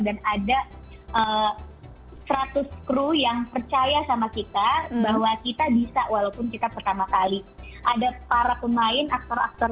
ada seratus kru yang percaya sama kita bahwa kita bisa walaupun kita pertama kali ada para pemain aktor aktor